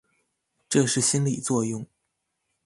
這是心理作用